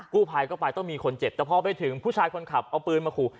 กู้ภัยก็ไปต้องมีคนเจ็บแต่พอไปถึงผู้ชายคนขับเอาปืนมาขู่